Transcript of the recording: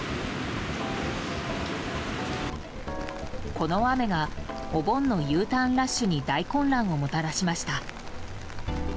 この雨がお盆のＵターンラッシュに大混乱をもたらしました。